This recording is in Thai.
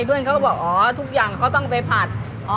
เพื่อนเขาก็บอกอ๋อทุกอย่างก็ต้องไปผัด